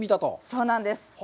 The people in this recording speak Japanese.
そうなんです。